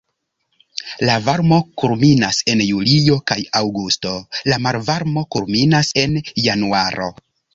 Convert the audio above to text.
La varmo kulminas en julio kaj aŭgusto, la malvarmo kulminas en januaro.